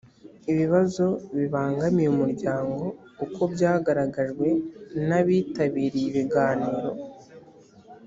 ibibazo bibangamiye umuryango uko byagaragajwe n’abitabiriye ibiganiro